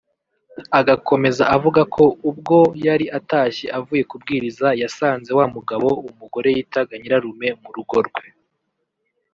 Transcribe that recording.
Agakomeza avuga ko ubwo yari atashye avuye kubwiriza yasanze wamugabo umugore yitaga nyirarume mu rugo rwe